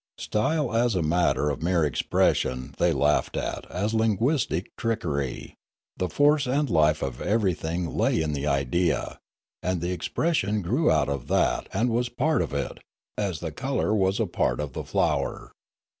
Style as a matter of mere expression they laughed at as linguistic trickery; the force and life of everything lay in the idea, and the expression grew out of that and was a part of it, as the colour was a part of the flower.